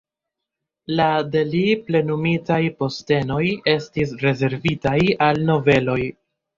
La de li plenumitaj postenoj estis rezervitaj al nobeloj.